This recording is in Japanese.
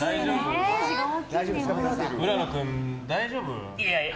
浦野君、大丈夫？